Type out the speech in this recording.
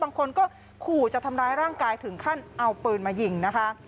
บางคนก็ขู่จะทำร้ายร่างกายถึงขั้นเอาปืนมายิงนะคะ